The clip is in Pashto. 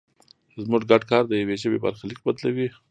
زموږ ګډ کار د یوې ژبې برخلیک بدلوي.